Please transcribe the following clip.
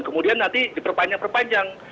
kemudian nanti diperpanjang perpanjang